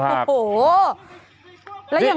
จัดกระบวนพร้อมกัน